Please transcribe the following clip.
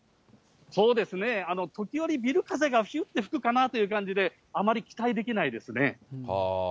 そうですね、時折、ビル風が、ひゅーって吹くかなっていう感じで、あまり期待できないですね。